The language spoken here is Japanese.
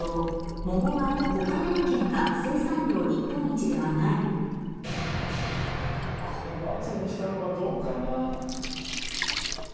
「ももは岡山県が生産量日本一ではない」これ「×」にしたのはどうかな。